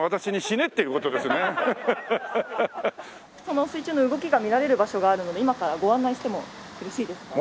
その水中の動きが見られる場所があるので今からご案内してもよろしいですか？